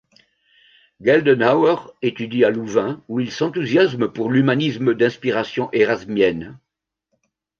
Geldenhauer étudie à Louvain où il s'enthousiasme pour l'humanisme d'inspiration érasmienne.